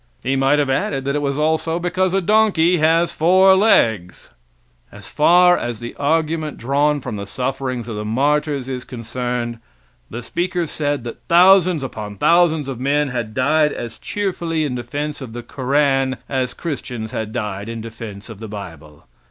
He might have added that it was also because a donkey has four legs. So far as the argument drawn from the sufferings of the martyrs is concerned, the speaker said that thousands upon thousands of men had died as cheerfully in defense of the koran as Christians had died in defense of the bible.